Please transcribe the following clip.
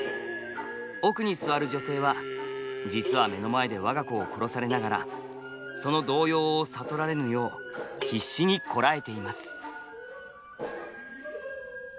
奥に座る女性は実は目の前で我が子を殺されながらその動揺を悟られぬよう必死にこらえています。